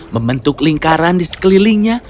membentuk lingkaran di sekelilingnya